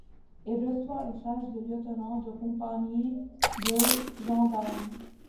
Il reçoit une charge de lieutenant de compagnie de gendarme.